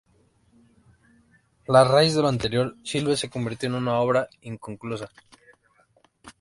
A raíz de lo anterior, "Silver" se convirtió en una obra inconclusa.